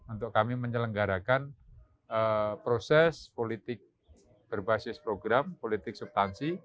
untuk kami menyelenggarakan proses politik berbasis program politik subtansi